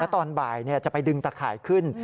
ตอนบ่ายจะไปดึงตะข่ายขึ้น